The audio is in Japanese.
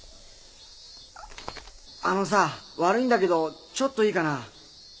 あのさ悪いんだけどちょっといいかな？